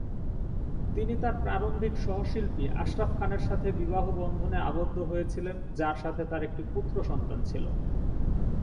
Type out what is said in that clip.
তিনি তাঁর প্রারম্ভিক সহশিল্পী আশরাফ খানের সাথে বিবাহ বন্ধনে আবদ্ধ হয়েছিলেন; যাঁর সাথে তাঁর একটি পুত্র সন্তান ছিল।